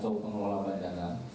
seyogiannya apa namanya fasilitasi iq